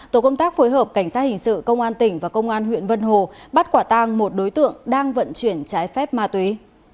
tổ công tác phối hợp cảnh sát hình sự công an tỉnh và công an huyện vân hồ bắt quả tang một đối tượng đang vận chuyển trái phép ma túy